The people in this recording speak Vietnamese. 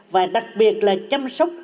và đặc biệt là chăm sóc